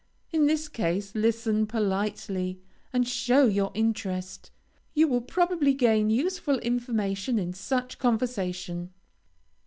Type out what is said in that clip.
In this case listen politely, and show your interest. You will probably gain useful information in such conversation.